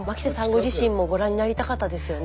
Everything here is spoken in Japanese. ご自身もご覧になりたかったですよね。